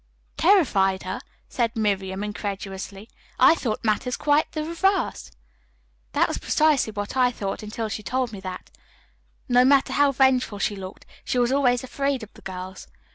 "Terrified her," said Miriam incredulously. "I thought matters quite the reverse." "That was precisely what I thought until she told me that, no matter how vengeful she looked, she was always afraid of the girls.